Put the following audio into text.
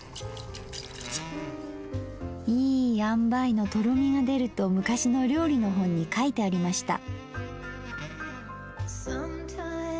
いい塩梅のとろみが出ると昔の料理の本に書いてありました。